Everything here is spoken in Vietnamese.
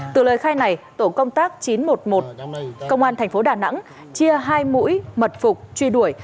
từ lời khai này tổ công tác chín trăm một mươi một công an thành phố đà nẵng chia hai mũi mật phục truy đuổi